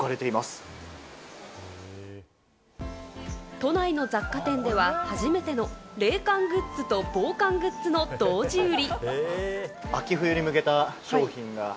都内の雑貨店では初めての、冷感グッズと防寒グッズの同時売り。